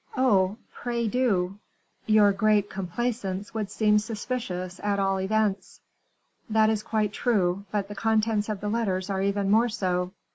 "Oh! pray do." "You great complacence would seem suspicions, at all events." "That is quite true; but the contents of the letters are even more so."